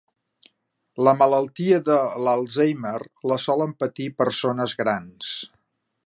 La malaltia de l'Alzheimer la solen patir persones grans.